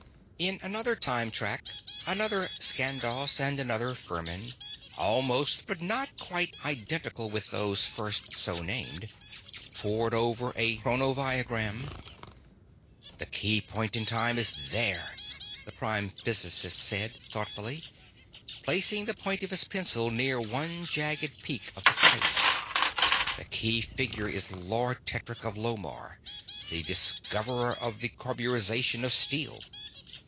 _In another time track another Skandos and another Furmin, almost but not quite identical with those first so named, pored over a chronoviagram._ _"The key point in time is there," the Prime Physicist said, thoughtfully, placing the point of his pencil near one jagged peak of the trace. "The key figure is Lord Tedric of Lomarr, the discoverer of the carburization of steel.